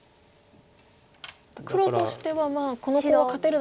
黒としてはこのコウは勝てるだろうと。